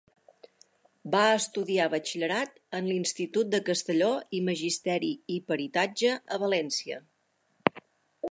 Va estudiar batxillerat en l'Institut de Castelló i Magisteri i Peritatge a València.